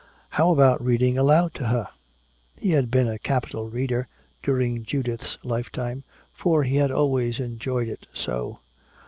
How about reading aloud to her? He had been a capital reader, during Judith's lifetime, for he had always enjoyed it so.